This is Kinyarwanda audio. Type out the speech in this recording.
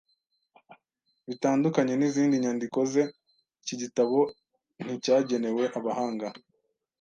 Bitandukanye nizindi nyandiko ze, iki gitabo nticyagenewe abahanga.